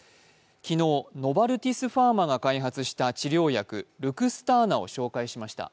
昨日、ノバルティスファーマが開発した治療薬、ルクスターナを紹介しました。